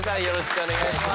お願いします。